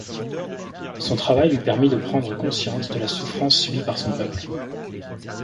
Son travail lui permit de prendre conscience de la souffrance subie par son peuple.